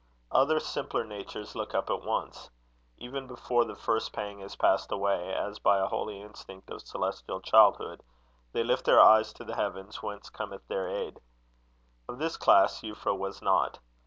Other simpler natures look up at once. Even before the first pang has passed away, as by a holy instinct of celestial childhood, they lift their eyes to the heavens whence cometh their aid. Of this class Euphra was not.